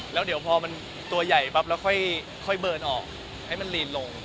แล้วเดี๋ยวพอมันตัวใหญ่ปั๊บแล้วค่อยเบิร์นออกให้มันลีนลง